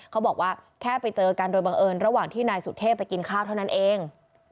เขาบอกว่าแค่ไปเจอกันโดยบังเอิญระหว่างที่นายสุเทพไปกินข้าวเท่านั้นเอง